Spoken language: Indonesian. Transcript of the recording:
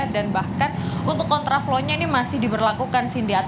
dan bahkan untuk kontraflownya ini masih diberlakukan